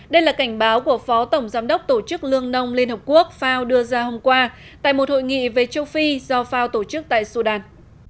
đây là cảnh báo của phó tổng giám đốc tổ chức lương nông liên hợp quốc fao đưa ra hôm qua tại một hội nghị về châu phi do fao tổ chức tại sudan